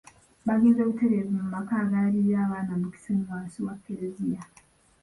Bagenze butereevu mu maka agalabirira abaana mu Kisenyi wansi wa Kereziya.